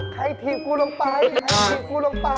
ใครทีมพูดลงไปใครทีมพูดลงไป